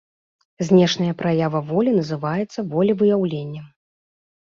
Знешняя праява волі называецца волевыяўленнем.